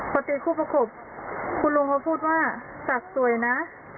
พอตีคู่ประกบคุณลุงเขาพูดว่าตักสวยนะ